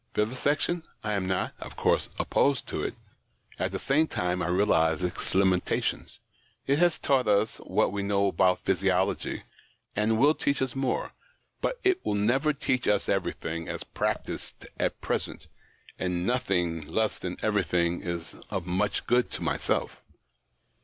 " Vivisection ? I am not, of course, opposed to it ; at the same time I realize its limitations. It has taught us what we know of physiology, and it will teach us more ; but it will never teach us everything, as practised at present, and nothing less than everything is of much good to myself.